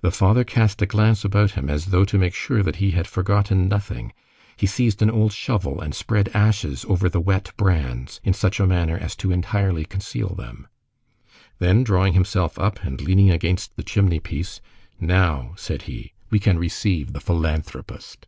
The father cast a glance about him as though to make sure that he had forgotten nothing. He seized an old shovel and spread ashes over the wet brands in such a manner as to entirely conceal them. Then drawing himself up and leaning against the chimney piece:— "Now," said he, "we can receive the philanthropist."